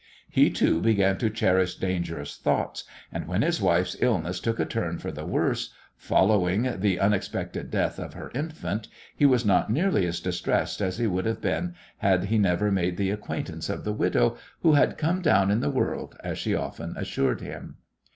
He, too, began to cherish dangerous thoughts, and when his wife's illness took a turn for the worse, following the unexpected death of her infant, he was not nearly as distressed as he would have been had he never made the acquaintance of the widow who had "come down in the world," as she often assured him.